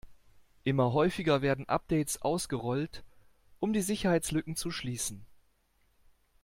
Immer häufiger werden Updates ausgerollt, um die Sicherheitslücken zu schließen.